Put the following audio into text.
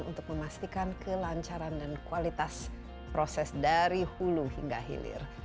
untuk memastikan kelancaran dan kualitas proses dari hulu hingga hilir